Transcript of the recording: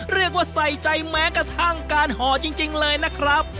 เรียกว่าใส่ใจแม้กระทั่งการห่อจริงเลยนะครับ